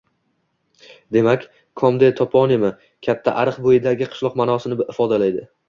Demak, Komde toponimi – «katta ariq bo‘yidagi qishloq» ma’nosini ifodalaydi.